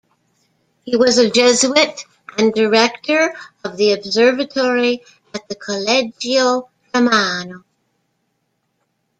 He was a Jesuit and director of the observatory at the Collegio Romano.